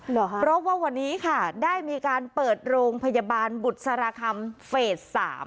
เพราะว่าวันนี้ได้มีการเปิดโรงพยาบาลบุตรสารคำเฟส๓